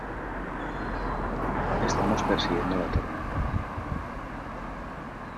estamos persiguiendo la tormenta.